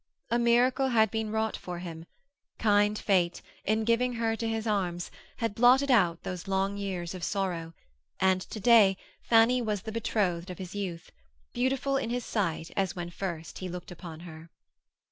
A miracle had been wrought for him; kind fate, in giving her to his arms, had blotted out those long years of sorrow, and to day Fanny was the betrothed of his youth, beautiful in his sight as when first he looked upon her.